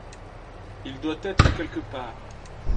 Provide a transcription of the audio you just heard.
Il doit être quelque part.